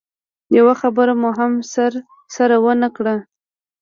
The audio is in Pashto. يوه خبره مو هم سره ونه کړه.